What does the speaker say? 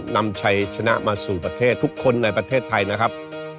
นำชัยชนะมาสู่ประเทศทุกคนในประเทศไทยนะครับ